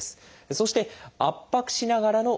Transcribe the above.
そして圧迫しながらの運動。